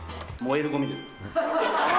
燃えるごみです。